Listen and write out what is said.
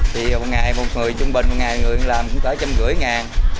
thì một ngày một người trung bình một ngày người làm cũng tới trăm gửi ngàn